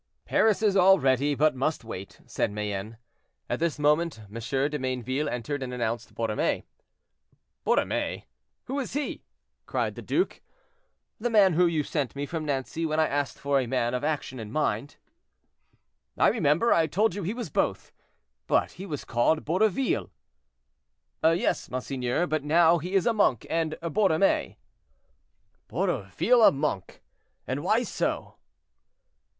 "Paris is all ready, but must wait," said Mayenne. At this moment M. de Mayneville entered, and announced Borromée. "Borromée! who is he?" cried the duke. "The man whom you sent me from Nancy, when I asked for a man of action and mind." "I remember; I told you he was both. But he was called Borroville." "Yes, monseigneur; but now he is a monk, and Borromée." "Borroville a monk! and why so?"